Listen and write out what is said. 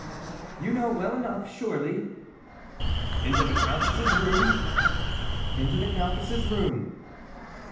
' You know well enough, surely." ' Into the Countess's room ?"' Into the Countess's room."